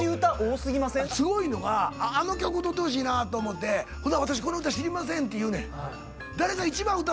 すごいのがあの曲歌ってほしいなと思ってほんなら「私この歌知りません」って言うねん。